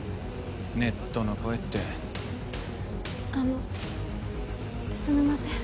ネットの声ってあのすみません